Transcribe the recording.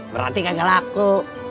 berarti kagal aku